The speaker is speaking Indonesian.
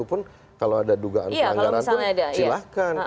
satu pun kalau ada dugaan peranggaran pun silahkan